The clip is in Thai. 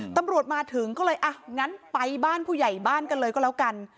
ตำรวจมาถึงก็เลยอ่ะงั้นไปบ้านผู้ใหญ่บ้านกันเลยก็แล้วกัน